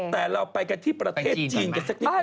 แต่เราไปกันที่ประเทศจีนกันสักนิดนึ